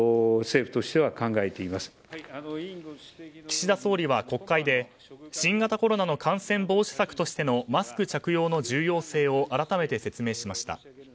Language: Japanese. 岸田総理は国会で新型コロナの感染防止策としてのマスク着用の重要性を改めて説明しました。